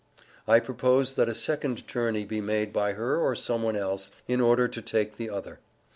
I propose that a second journey be made by her or some one else, in order to take the other.